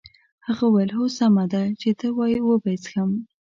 هغه وویل هو سمه ده چې ته وایې وبه یې څښم.